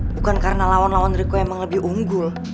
bukan karena lawan lawan riku emang lebih unggul